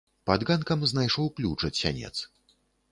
Пад ганкам знайшоў ключ ад сянец.